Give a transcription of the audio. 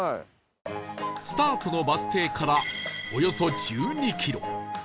スタートのバス停からおよそ１２キロ